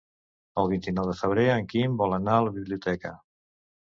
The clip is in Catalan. El vint-i-nou de febrer en Quim vol anar a la biblioteca.